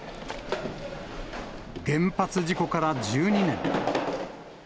原発事故から１２年。